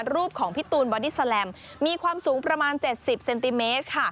รูปของพี่ตูนบอดี้แลมมีความสูงประมาณ๗๐เซนติเมตรค่ะ